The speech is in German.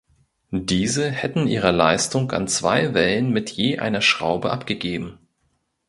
Diese hätten ihre Leistung an zwei Wellen mit je einer Schraube abgegeben.